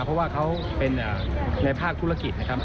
เพราะว่าเขาเป็นในภาคธุรกิจนะครับ